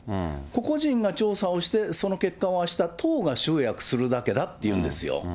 個々人が調査をして、その結果をあした、党が集約するだけだっていうんですよ。